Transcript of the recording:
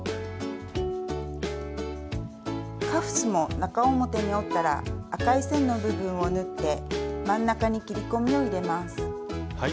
カフスも中表に折ったら赤い線の部分を縫って真ん中に切り込みを入れます。